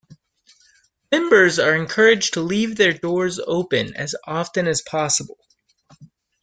Members are encouraged to leave their doors open as often as possible.